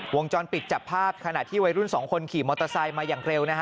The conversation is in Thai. วงจรปิดจับภาพขณะที่วัยรุ่นสองคนขี่มอเตอร์ไซค์มาอย่างเร็วนะฮะ